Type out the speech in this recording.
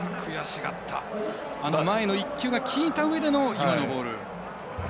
前の１球が効いたうえでの今のボール。